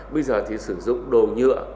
bây giờ thì sử dụng đồ nhựa